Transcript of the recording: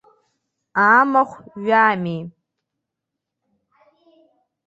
Амахә ҩами.